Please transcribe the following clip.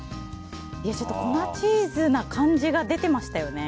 粉チーズな感じが出てましたよね。